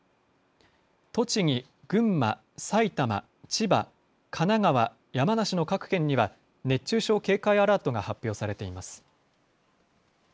栃木、群馬、埼玉、千葉、神奈川、山梨の各県には熱中症警戒アラートが発表されています。